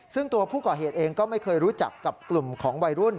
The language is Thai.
ซึ่งตัวผู้ก่อเหตุเองก็ไม่เคยรู้จักกับกลุ่มของวัยรุ่น